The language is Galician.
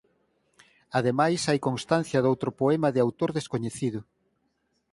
Ademais hai constancia doutro poema de autor descoñecido.